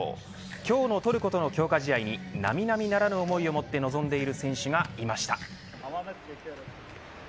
今日のトルコとの強化試合に並々ならぬ思いをもって臨んでいる選手がいました。